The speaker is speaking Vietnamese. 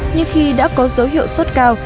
nhưng khi đã có dấu hiệu sốt cao